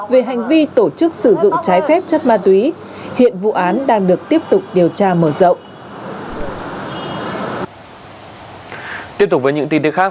về hành vi tổ chức sử dụng tráng phép chất ma túy